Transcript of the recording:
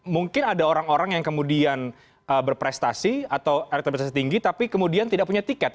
mungkin ada orang orang yang kemudian berprestasi atau elektabilitasnya tinggi tapi kemudian tidak punya tiket